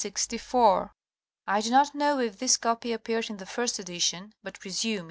I do not know if this copy appeared in the first edition, but pre sume it did.